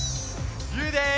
ゆうです！